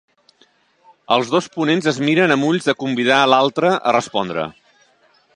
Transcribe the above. Els dos ponents es miren amb ulls de convidar l'altre a respondre.